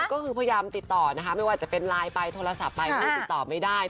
ก็คือพยายามติดต่อนะคะไม่ว่าจะเป็นไลน์ไปโทรศัพท์ไปหรือว่าติดต่อไม่ได้